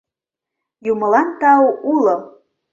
— Юмылан тау, уло...